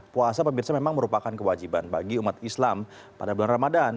puasa pemirsa memang merupakan kewajiban bagi umat islam pada bulan ramadan